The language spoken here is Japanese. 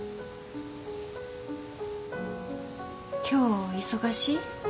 今日忙しい？